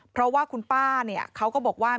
เพราะว่าคุณป้าเขาก็บอกว่า